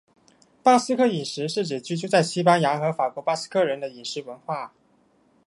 巴斯克饮食是指居住证西班牙和法国的巴斯克人的饮食文化。